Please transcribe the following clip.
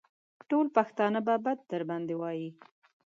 ټول پښتانه به بد در باندې وايي.